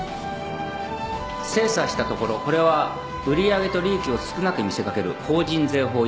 精査したところこれは売り上げと利益を少なく見せかける法人税法違反。